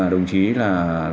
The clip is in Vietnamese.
đồng chí là